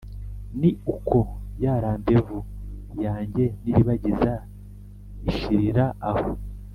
Ni uko ya rendez vous yanjye n'iribagiza ishirira aho